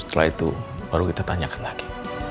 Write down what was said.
setelah itu baru kita tanyakan lagi